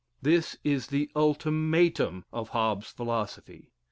This is the ultimatum of Hobbes's philosophy.